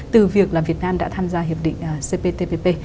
từ việc là việt nam đã tham gia hiệp định cptpp